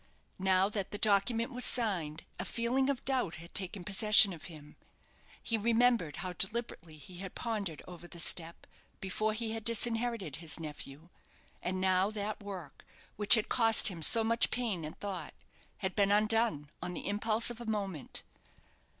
Now that the document was signed, a feeling of doubt had taken possession of him. He remembered how deliberately he had pondered over the step before he had disinherited his nephew; and now that work, which had cost him so much pain and thought, had been undone on the impulse of a moment.